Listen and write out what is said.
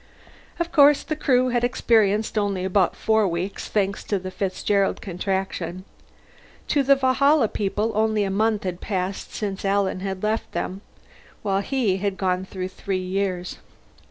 Of course, the Crew had experienced only about four weeks, thanks to the Fitzgerald Contraction. To the Valhalla people only a month had passed since Alan had left them, while he had gone through three years.